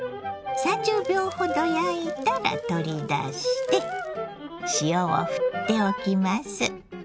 ３０秒ほど焼いたら取り出して塩をふっておきます。